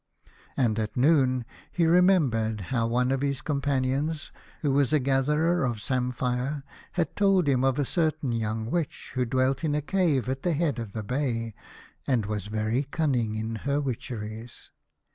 And at noon he remembered how one of his companions, who was a gatherer of sam phire, had told him of a certain young Witch who dwelt in a cave at the head of the bay and was very cunning in her witcheries.